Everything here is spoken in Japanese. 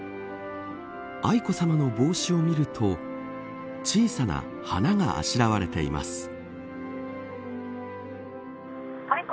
愛子さまの帽子を見ると小さな花があしらわれています。